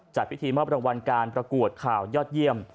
จัดพิธีมอบรางวัลการประกวดข่าวยอดเยี่ยม